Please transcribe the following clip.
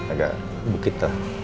agak bukit tuh